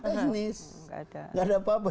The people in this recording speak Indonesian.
teknis tidak ada apa apa